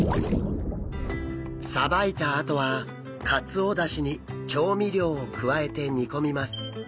さばいたあとはカツオだしに調味料を加えて煮込みます。